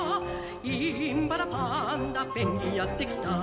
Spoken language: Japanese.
「インパラパンダペンギンやってきた」